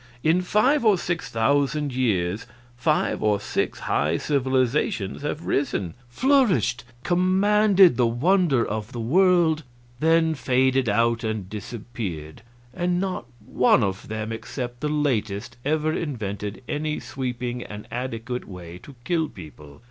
In five or six thousand years five or six high civilizations have risen, flourished, commanded the wonder of the world, then faded out and disappeared; and not one of them except the latest ever invented any sweeping and adequate way to kill people.